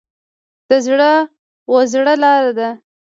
د زړه و زړه لار ده.